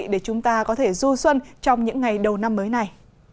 để chúng ta có thể du xuân trong những ngày đầu năm mới này